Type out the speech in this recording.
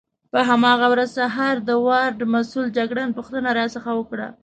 په هماغه ورځ سهار د وارډ مسؤل جګړن پوښتنه راڅخه وکړه.